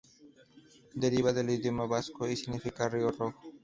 Deriva del idioma vasco y significa "Río rojo".